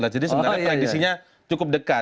jadi sebenarnya predisinya cukup dekat